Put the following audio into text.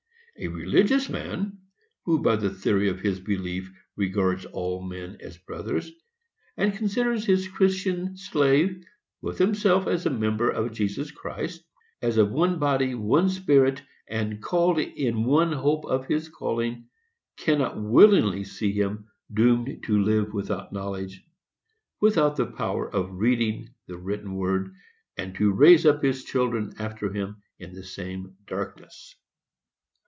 A religious man, who, by the theory of his belief, regards all men as brothers, and considers his Christian slave, with himself, as a member of Jesus Christ,—as of one body, one spirit, and called in one hope of his calling,—cannot willingly see him "doomed to live without knowledge," without the power of reading the written Word, and to raise up his children after him in the same darkness.